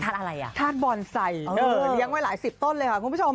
อะไรอ่ะธาตุบอลใส่เลี้ยงไว้หลายสิบต้นเลยค่ะคุณผู้ชม